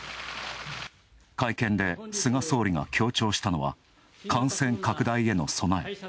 会見で菅総理が強調したのは感染拡大への備え。